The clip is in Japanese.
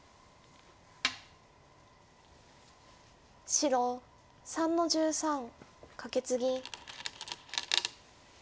白３の十三カケツギ。